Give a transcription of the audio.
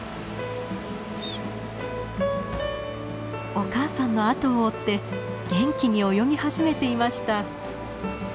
お母さんのあとを追って元気に泳ぎ始めていました。